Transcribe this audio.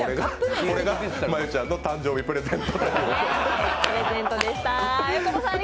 これが真悠ちゃんの誕生日プレゼント。